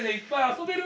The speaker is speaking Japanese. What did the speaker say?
遊べる。